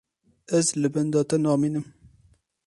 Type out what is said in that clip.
Ez li benda te namînim.